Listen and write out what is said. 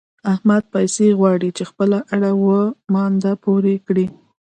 احمد پيسې غواړي چې خپله اړه و مانده پوره کړي.